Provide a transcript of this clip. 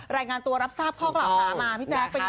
รายงานตัวรับทราบข้อเก่าขอมาพี่แจ๊คเป็นไงบ้าง